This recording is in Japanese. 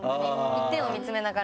一点を見つめながら。